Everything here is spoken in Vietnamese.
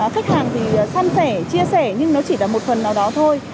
khách hàng thì săn thẻ chia sẻ nhưng nó chỉ là một phần nào đó thôi